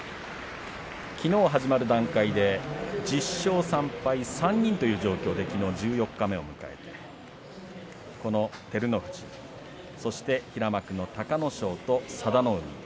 きのう始まる段階で１０勝３敗、３人という状況できのう十四日目を迎えてこの照ノ富士そして平幕の隆の勝と佐田の海。